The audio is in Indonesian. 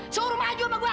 suruh maju sama gue